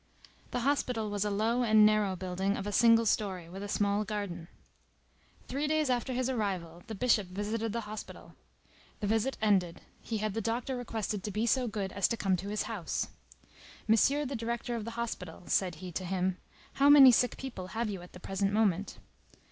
The hospital was a low and narrow building of a single story, with a small garden. Three days after his arrival, the Bishop visited the hospital. The visit ended, he had the director requested to be so good as to come to his house. "Monsieur the director of the hospital," said he to him, "how many sick people have you at the present moment?"